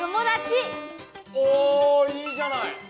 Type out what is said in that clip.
おおいいじゃない。